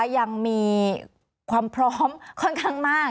ยังมีความพร้อมค่อนข้างมาก